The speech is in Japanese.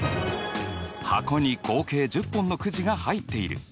箱に合計１０本のくじが入っている。